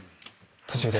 途中で。